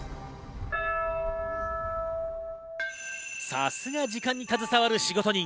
さすが時間に携わる仕事人。